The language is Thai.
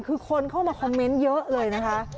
คือคนเข้ามาคอมเมนต์เยอะเลยนะคะ